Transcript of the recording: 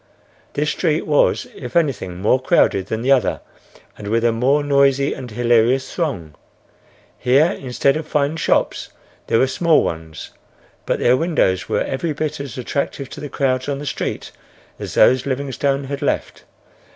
This street was, if anything, more crowded than the other and with a more noisy and hilarious throng. Here, instead of fine shops, there were small ones; but their windows were every bit as attractive to the crowds on the street as those Livingstone had left.